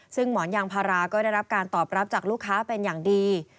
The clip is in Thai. ซึ่งหมอนยางพาราก็ได้รับการตอบรับจากลูกค้าเป็นอย่างดี